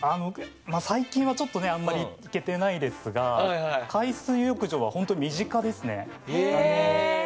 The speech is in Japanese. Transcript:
最近はちょっとあまり行けてないですが海水浴場は身近ですね。